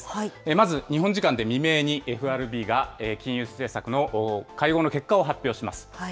まず、日本時間で未明に、ＦＲＢが金融政策の会合の結果を発表します。